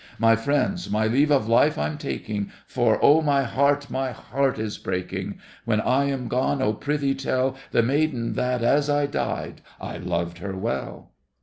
My friends, my leave of life I'm taking, For oh, my heart, my heart is breaking. When I am gone, oh, prithee tell The maid that, as I died, I loved her well!